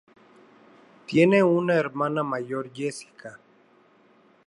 Tiene una hermana mayor, Jessica.